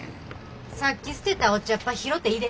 さっき捨てたお茶っ葉拾ていれ。